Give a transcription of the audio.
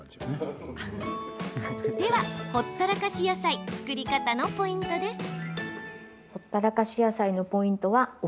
では、ほったらかし野菜作り方のポイントです。